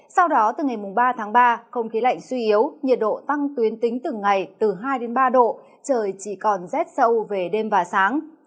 sau đó từ ngày ba tháng ba không khí lạnh suy yếu nhiệt độ tăng tuyến tính từng ngày từ hai ba độ trời chỉ còn rét sâu về đêm và sáng